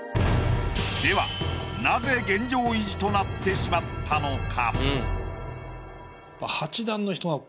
ではなぜ現状維持となってしまったのか？